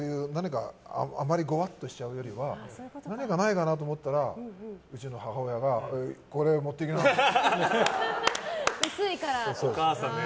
あまりごわっとしちゃうよりかは何かないかなと思ったらうちの母親がこれ着ていきなさいって。